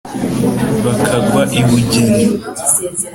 Bakagwa i Bugeni.